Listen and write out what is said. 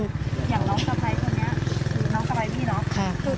อย่างน้องกระไฟตัวเนี้ยคือน้องกระไฟพี่เนอะค่ะ